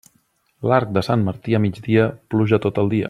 L'arc de Sant Martí a migdia, pluja tot el dia.